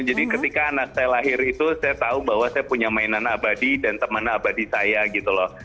jadi ketika anak saya lahir itu saya tahu bahwa saya punya mainan abadi dan teman abadi saya gitu loh